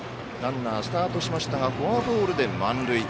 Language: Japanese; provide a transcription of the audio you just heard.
ランナー、スタートしましたがフォアボールで満塁。